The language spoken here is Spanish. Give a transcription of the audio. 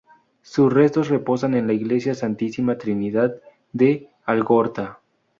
Sus restos reposan en la iglesia Santísima Trinidad de Algorta.